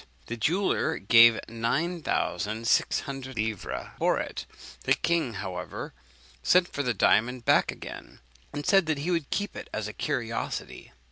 The jeweller gave nine thousand six hundred livres for it. The king, however, sent for the diamond back again, and said he would keep it as a curiosity.